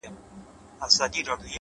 o په درد آباد کي؛ ویر د جانان دی؛